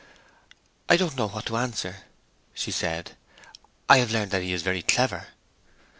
"I don't know what to answer," she said. "I have learned that he is very clever."